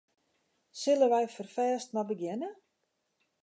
Sille wy ferfêst mar begjinne?